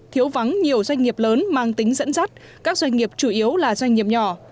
thiếu vắng nhiều doanh nghiệp lớn mang tính dẫn dắt các doanh nghiệp chủ yếu là doanh nghiệp nhỏ